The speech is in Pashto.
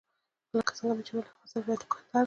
لکه څنګه چې مې وويل هغه صرف يو دوکاندار دی.